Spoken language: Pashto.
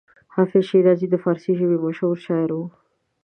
حافظ شیرازي د فارسي ژبې مشهور شاعر و.